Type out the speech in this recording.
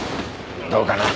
どうかな？